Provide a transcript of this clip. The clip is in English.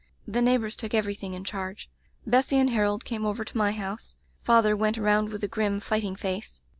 The neighbors took everything in charge. Bessy and Harold came over to my house. Father went around with a grim, fighting face.